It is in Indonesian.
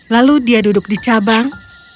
lalu dia duduk di cabang